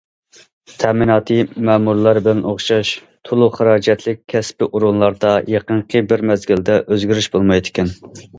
‹‹ تەمىناتى مەمۇرلار بىلەن ئوخشاش››،‹‹ تولۇق خىراجەتلىك›› كەسپىي ئورۇنلاردا يېقىنقى بىر مەزگىلدە ئۆزگىرىش بولمايدىكەن.